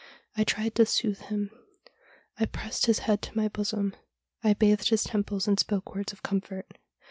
I tried to soothe him. I pressed his head to my bosom. I bathed his temples and spoke words of comfort.